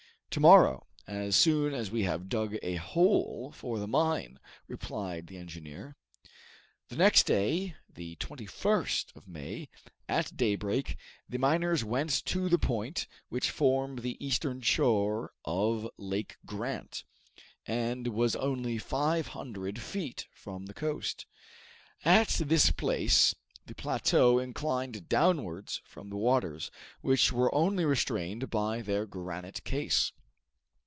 "To morrow, as soon as we have dug a hole for the mine, replied the engineer." The next day, the 21st of May, at daybreak, the miners went to the point which formed the eastern shore of Lake Grant, and was only five hundred feet from the coast. At this place, the plateau inclined downwards from the waters, which were only restrained by their granite case.